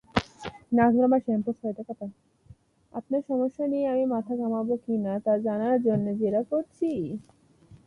আপনার সমস্যা নিয়ে আমি মাথা ঘামাব কি না, তা জানার জন্যে জেরা করছি।